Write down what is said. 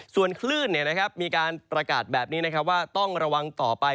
ส่วนคลื่นมีการประกาศแบบนี้นะครับว่าต้องระวังต่อไป